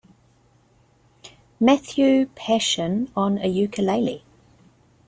Matthew Passion' on a ukulele.